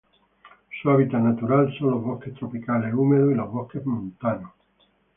Su hábitat natural son los bosques tropicales húmedos y los bosques montanos.